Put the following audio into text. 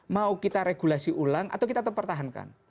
mau kita regulasi ulang atau kita tetap pertahankan